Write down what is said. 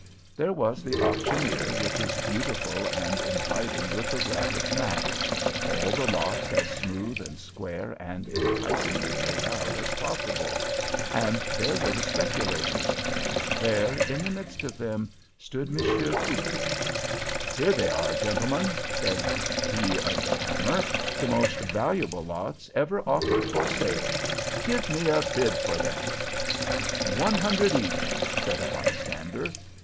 There was the auctioneer, with his beautiful and inviting lithographic maps—all the lots as smooth and square and enticingly laid out as possible—and there were the speculators—and there, in the midst of them, stood Monsieur Poopoo. "Here they are, gentlemen," said he of the hammer, "the most valuable lots ever offered for sale. Give me a bid for them!" "One hundred each," said a bystander.